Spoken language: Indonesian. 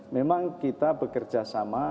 memang kita bekerja sama